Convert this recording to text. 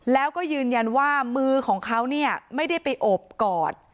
แล้วก็ยืนยันว่ามือของเขาเนี่ยไม่ได้ไปอบกอด